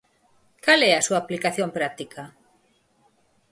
Cal é a súa aplicación práctica?